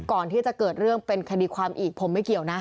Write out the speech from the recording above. ก่อนที่จะเกิดเรื่องเป็นคดีความอีกผมไม่เกี่ยวนะ